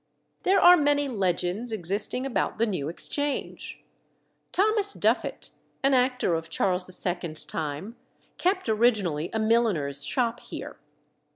There are many legends existing about the New Exchange. Thomas Duffet, an actor of Charles II.'s time, kept originally a milliner's shop here.